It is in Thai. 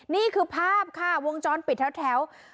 นี่คือภาพค่ะวงจรปิดแถว